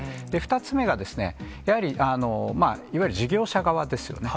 ２つ目が、やはり、いわゆる事業者側ですよね。